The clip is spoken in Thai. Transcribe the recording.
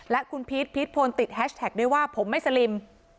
และคุณพีชพีชพลติดแฮชแท็กด้วยว่าผมไม่สลิม